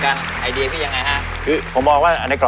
เขาคุยกันไอเดียคือยังไงฮะคือผมมองว่าในกรอ